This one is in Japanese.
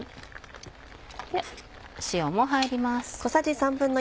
塩も入ります。